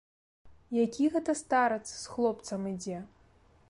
Які гэта старац з хлопцам ідзе?